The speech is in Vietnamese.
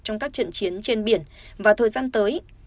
trong các trận chiến trên biển và thời gian tới